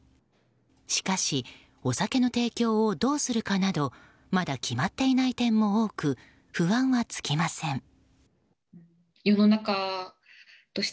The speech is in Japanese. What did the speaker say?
しかし、お酒の提供をどうするかなどまだ決まっていない点も多く不安は尽きません。